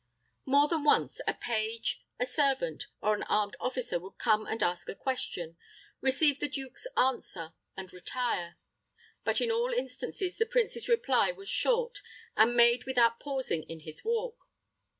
More than once a page, a servant, or an armed officer would come and ask a question, receive the duke's answer, and retire. But in all instances the prince's reply was short, and made without pausing in his walk.